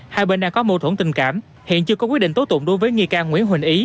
hai bên đã có mâu thuẫn tình cảm hiện chưa có quyết định tố tụng đối với nghi can nguyễn huỳnh ý